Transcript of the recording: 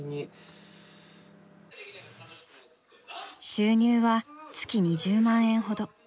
収入は月２０万円ほど。